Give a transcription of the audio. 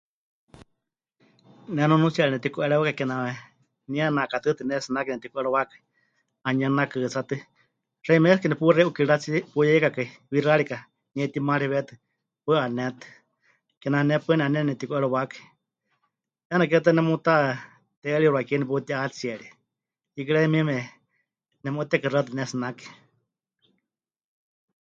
Ne nunuutsiyari nepɨtiku'eriwákai kename nie ne'akatɨɨtɨ netsinake nepɨtiku'eriwákai, 'anuyenaakɨtsátɨ, xeíme es que nepuxei 'ukiratsi puyeikakai wixárika nie timariwétɨ, paɨ 'anétɨ, kename ne paɨ ne'aneni nepɨtiku'eriwákai, 'eena ke ta nemutá'a teiwariixi wakie neputi'atsierie, hiikɨ ri 'ayumieme nemu'utekɨxautɨ pɨnetsinake.